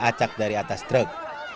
acak dari atas truk